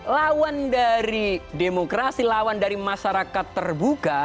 lawan dari demokrasi lawan dari masyarakat terbuka